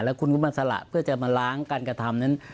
แล้วคุณก็มาสละเพื่อจะมาล้างการกระทำนั้น